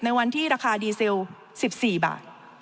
ในวันที่ราคาดีเซล๑๔บาท